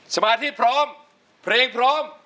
สมาธิพร้อมเพลงพร้อม